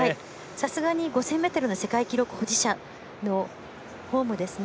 さすがに５０００ｍの世界記録保持者のフォームですね。